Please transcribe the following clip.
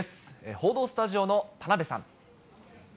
報道スタジオの田辺さん。